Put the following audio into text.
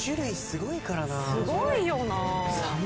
すごいよな。